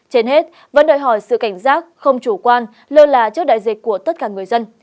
trên hết vẫn đòi hỏi sự cảnh giác không chủ quan lơ là trước đại dịch của tất cả người dân